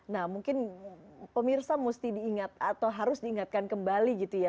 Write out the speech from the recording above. nah mungkin pemirsa mesti diingat atau harus diingatkan kembali gitu ya